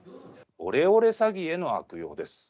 オレオレ詐欺への悪用です。